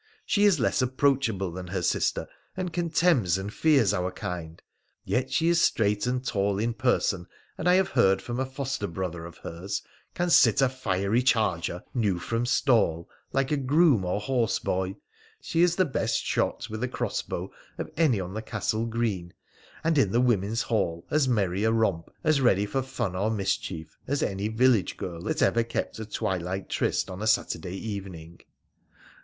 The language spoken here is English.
She is less approachable than her sister, and contemns and fears our kind, yet she is straight and tall in person, and, I have heard from a foster brother of hers, can sit a fiery charger, new from stall, like a groom or horse boy, she is the best shot with a crossbow of any on the castle green, and in the women's hall as merry a romp, as ready for fun or mischief, as any village girl that ever kept a twilight tryst on a Saturday evening.'